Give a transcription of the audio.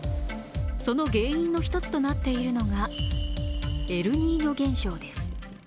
その原因の一つとなっているのがエルニーニョ現象です。